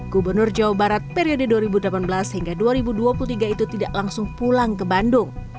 gubernur jawa barat periode dua ribu delapan belas hingga dua ribu dua puluh tiga itu tidak langsung pulang ke bandung